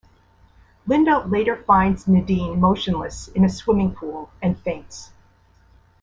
Linda later finds Nadine motionless in a swimming pool and faints.